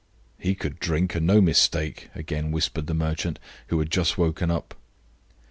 "He could drink, and no mistake," again whispered the merchant, who had just waked up.